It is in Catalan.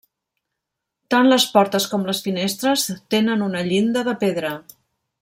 Tant les portes com les finestres tenen una llinda de pedra.